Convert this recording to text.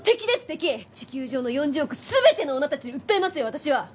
地球上の４０億全ての女たちに訴えますよ私は。